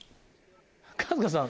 春日さん